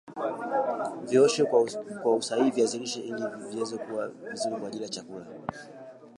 Wakati wa mkutano wa arobaini na mbili wa Baraza la Mawaziri uliofanyika Arusha, Tanzania wiki mbili zilizopita.